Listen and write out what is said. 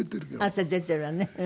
汗出ているわね。